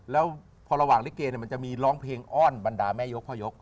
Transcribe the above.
แล้วพอระหว่างลิเกมันจะมีร้องเพลงอ้อนบรรดาแม่ยกพ่อยก